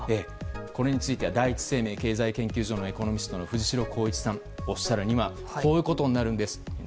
これについては第一生命経済研究所のエコノミストの藤代宏一さんがおっしゃるにはこういうことになるんです。